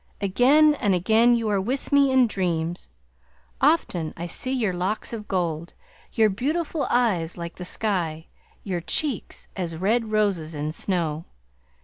Again and again you are with me in dreams. Often I see your locks of gold, your beautiful eyes like the sky, your cheeks, as red roses in snow.